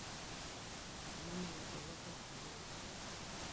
Emomiyo orwako angolo.